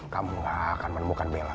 kamu gak akan menemukan bella